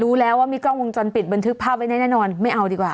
รู้แล้วว่ามีกล้องวงจรปิดบันทึกภาพไว้ได้แน่นอนไม่เอาดีกว่า